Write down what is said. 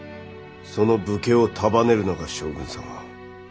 その武家を束ねるのが将軍様。